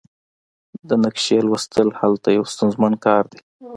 د نقشې لوستل هلته یو ستونزمن کار دی